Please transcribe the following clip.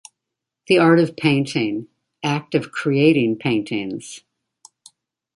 The art of painting - act of creating paintings.